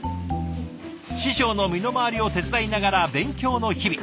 師匠の身の回りを手伝いながら勉強の日々。